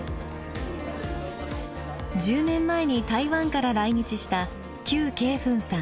１０年前に台湾から来日した邱桂芬さん。